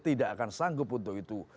tidak akan sanggup untuk itu